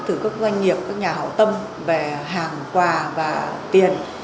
từ các doanh nghiệp các nhà hảo tâm về hàng quà và tiền